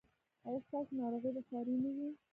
ایا ستاسو ناروغي به ساري نه وي؟